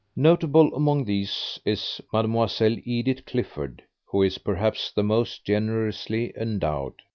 Notable among these is Mlle. Edith Clifford, who is, perhaps, the most generously endowed.